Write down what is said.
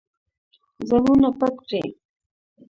ځانونه پټ کړئ.